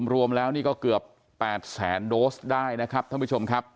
รวมแล้วนี่ก็เกือบ๘แสนโดสได้นะครับท่านผู้ชมครับ